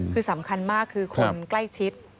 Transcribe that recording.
คือสำคัญมากคือคนใกล้ชิด